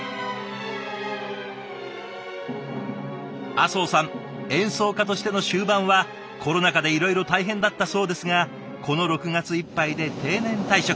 阿相さん演奏家としての終盤はコロナ禍でいろいろ大変だったそうですがこの６月いっぱいで定年退職。